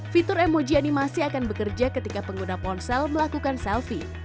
fitur emoji animasi akan bekerja ketika pengguna ponsel melakukan selfie